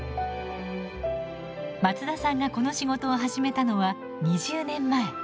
松田さんがこの仕事を始めたのは２０年前。